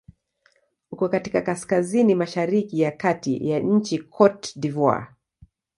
Uko katika kaskazini-mashariki ya kati ya nchi Cote d'Ivoire.